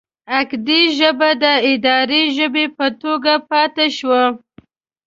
اکدي ژبه د اداري ژبې په توګه پاتې شوه.